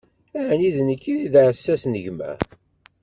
ɛni d nekk i d aɛessas n gma?